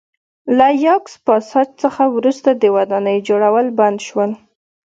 له یاکس پاساج څخه وروسته د ودانیو جوړول بند شول